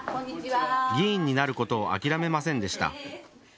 議員になることを諦めませんでした。